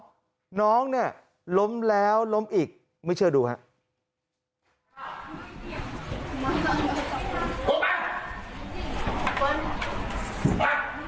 น้องเนี่ยล้มแล้วล้มอีกไม่เชื่อดูครับ